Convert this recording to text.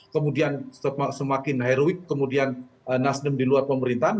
kemudian semakin heroik kemudian nasdem di luar pemerintahan